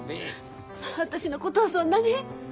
私のことをそんなに。